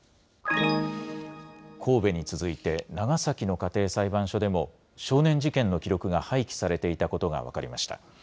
神戸に続いて、長崎の家庭裁判所でも少年事件の記録が廃棄されていたことが分かりました。